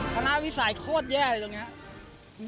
คณะวิสัยโคตรแย่เลยตรงนี้